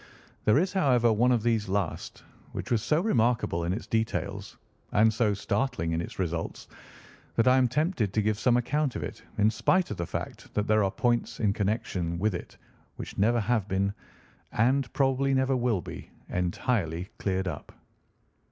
There is, however, one of these last which was so remarkable in its details and so startling in its results that I am tempted to give some account of it in spite of the fact that there are points in connection with it which never have been, and probably never will be, entirely cleared up.